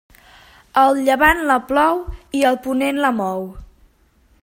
El llevant la plou i el ponent la mou.